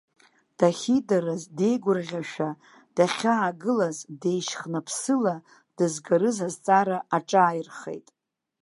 Дахьидырыз деигәырӷьашәа дахьаагылаз, деишьхныԥсыла дызгарыз азҵаара аҿааирхеит.